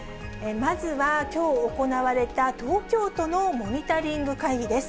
まずはきょう行われた、東京都のモニタリング会議です。